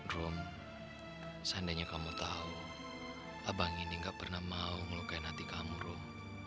rum seandainya kamu tau abang ini gak pernah mau ngelukain hati kamu rum